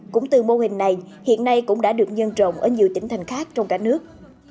cũng từ mô hình này hiện nay cũng đã được nhân rộng ở nhiều tỉnh thành khác trong cả nước